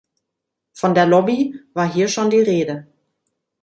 Von der Lobby war hier schon die Rede.